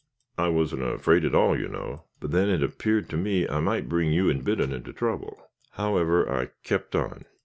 I wasn't afraid at all, you know, but then it appeared to me I might bring you and Biddon into trouble. However, I kept on.